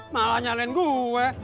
malah nyalain gue